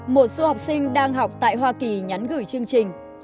một số học sinh đang học tại hoa kỳ nhắn gửi chương trình